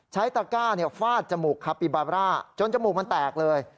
ตะก้าฟาดจมูกคาปิบาร่าจนจมูกมันแตกเลย